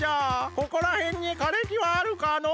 ここらへんにかれきはあるかのう？